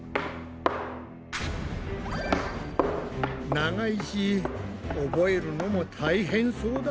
長いし覚えるのも大変そうだ。